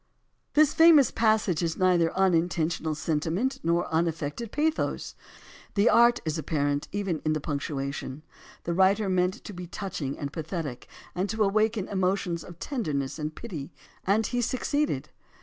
This famous passage is neither unintentional senti ment nor unaffected pathos. The art is apparent even in the punctuation. The writer meant to be touching and pathetic and to awaken emotions of ten derness and pity and he succeeded.